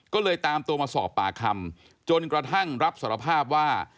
ก็เลยตามตัวมาสอบปากคำจนกระทั่งรับสารภาพว่า